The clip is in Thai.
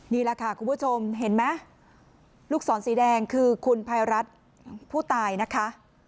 นี่แหละค่ะคุณผู้ชมเห็นไหมลูกศรสีแดงคือคุณภัยรัฐผู้ตายนะคะ